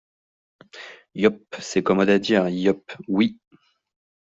Yupp !… c’est commode à dire, "yupp" oui !